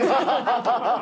ハハハハハ。